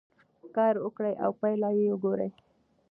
کار وکړئ او پایله یې وګورئ.